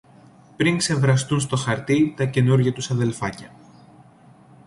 πριν ξεβραστούν στο χαρτί τα καινούρια τους αδελφάκια